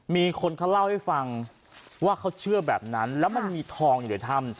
มีคนเขาเล่าให้ฟังว่าเขาเชื่อแบบนั้นแล้วมันมีทองอยู่ในถ้ำ